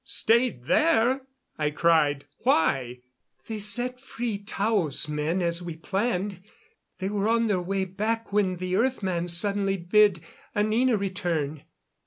"Stayed there?" I cried. "Why?" "They set free Tao's men as we planned. They were on their way back when the earth man suddenly bid Anina return.